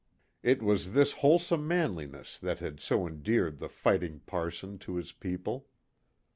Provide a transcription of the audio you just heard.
It was this wholesome manliness that had so endeared the "fighting parson" to his people.